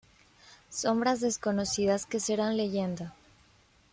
Sombras desconocidas que serán leyenda.